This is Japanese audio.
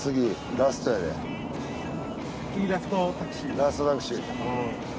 ラストタクシー。